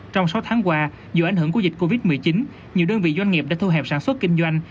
trong sáu tháng qua dù ảnh hưởng của dịch covid một mươi chín nhiều đơn vị doanh nghiệp đã thu hẹp sản xuất kinh doanh